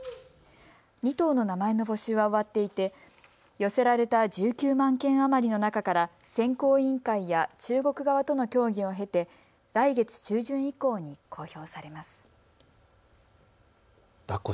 ２頭の名前の募集は終わっていて寄せられた１９万件余りの中から選考委員会や中国側との協議を経て来月中旬以降に公表されます。